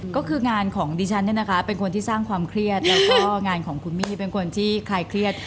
ก็คืองานของดิฉันเนี่ยนะคะเป็นคนที่สร้างความเครียดแล้วก็งานของคุณมี่เป็นคนที่คลายเครียด